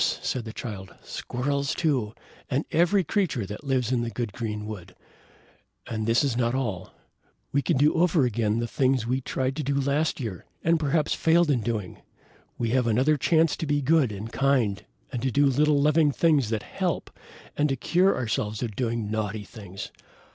said the Child. "Squirrels, too, and every creature that lives in the good green wood. And this is not all! We can do over again the things that we tried to do last year, and perhaps failed in doing. We have another chance to be good and kind, to do little loving things that help, and to cure ourselves of doing naughty things.